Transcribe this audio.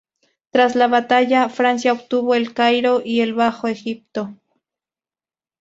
Tras la batalla, Francia obtuvo El Cairo y el bajo Egipto.